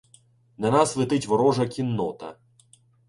На нас летить ворожа кіннота.